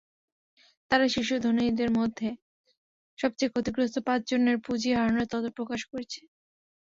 তারা শীর্ষ ধনীদের মধ্যে সবচেয়ে ক্ষতিগ্রস্ত পাঁচজনের পুঁজি হারানোর তথ্য প্রকাশ করেছে।